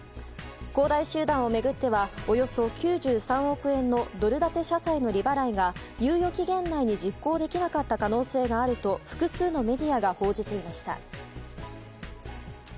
恒大集団を巡ってはおよそ９３億円のドル建て社債の利払いが猶予期限内に実行できなかった可能性があると複数のメディアが報じていました。